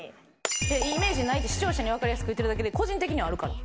イメージないって視聴者にわかりやすく言ってるだけで個人的にはあるから。